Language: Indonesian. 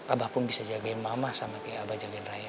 abah pun bisa jagain mama sampe abah jagain raya